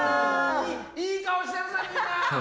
いい顔してるぜ、みんな。